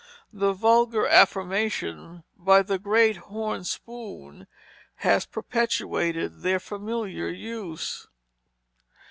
The vulgar affirmation, "By the great horn spoon," has perpetuated their familiar use.